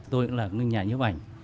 tôi cũng là người nhà nhấp ảnh